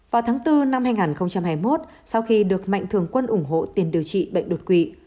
vào tháng bốn năm hai nghìn hai mươi một sau khi được mạnh thường quân ủng hộ tiền điều trị bệnh đột quỵ